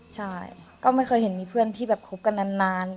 ใช่ก็ไม่เคยเห็นมีเพื่อนที่แบบคบกันนาน